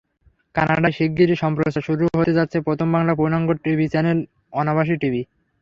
কানাডায় শিগগিরই সম্প্রচার শুরু হতে যাচ্ছে প্রথম বাংলা পূর্ণাঙ্গ টিভি চ্যানেল অনাবাসী টিভি।